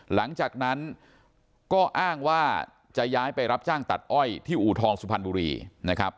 หลังจากนั้นก็อ้างว่าจะย้ายไปรับจ้างตัดอ้อยที่อูทองสุพรรณบุรีนะครับ